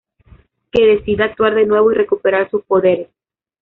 Que decide actuar de nuevo y recuperar sus poderes.